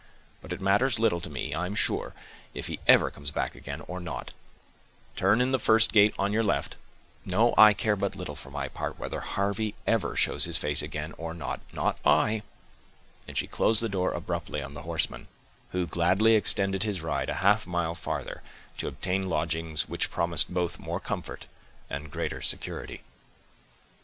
But it matters little to me, I'm sure, if he ever comes back again, or not;—turn in the first gate on your left;—no, I care but little, for my part, whether Harvey ever shows his face again or not—not I"—and she closed the door abruptly on the horseman, who gladly extended his ride a half mile farther, to obtain lodgings which promised both more comfort and greater security.